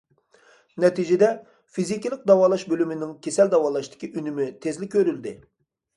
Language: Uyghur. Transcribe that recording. نەتىجىدە، فىزىكىلىق داۋالاش بۆلۈمىنىڭ كېسەل داۋالاشتىكى ئۈنۈمى تېزلا كۆرۈلدى.